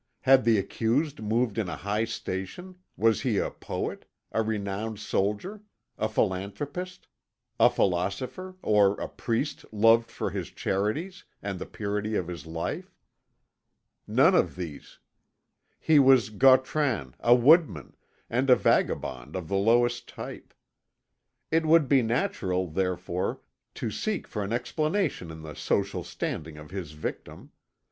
Had the accused moved in a high station, was he a poet, a renowned soldier, a philanthropist, a philosopher, or a priest loved for his charities, and the purity of his life? None of these; he was Gautran, a woodman, and a vagabond of the lowest type. It would be natural, therefore, to seek for an explanation in the social standing of his victim.